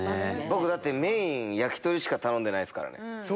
僕メイン焼き鳥しか頼んでないですからね。